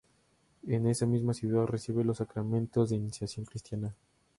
En esa misma ciudad recibe los sacramentos de iniciación cristiana.